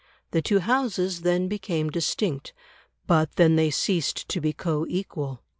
The two Houses then became distinct, but then they ceased to be co equal.